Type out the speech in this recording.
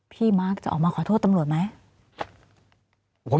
มาร์คจะออกมาขอโทษตำรวจไหม